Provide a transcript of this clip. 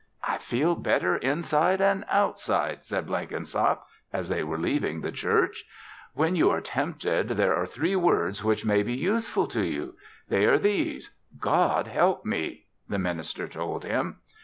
"I feel better inside an' outside," said Blenkinsop as they were leaving the church. "When you are tempted, there are three words which may be useful to you. They are these, 'God help me,'" the minister told him.